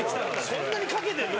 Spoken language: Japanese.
そんなにかけてるの？